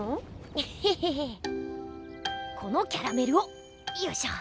このキャラメルをよいしょ。